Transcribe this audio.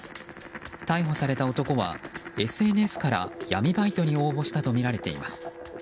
逮捕された男はＳＮＳから闇バイトに応募したとみられています。